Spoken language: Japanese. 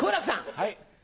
はい。